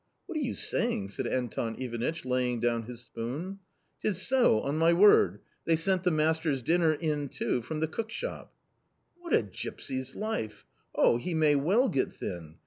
" What are you saying !" said Anton Ivanitch, laying down his spoon. " 'Tis so, on my word ; they sent the master's dinner in too from the cookshop." " What a gypsy's life ! oh ! he may well get thin